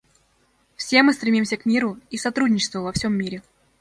Все мы стремимся к миру и сотрудничеству во всем мире.